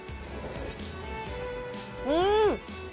うん！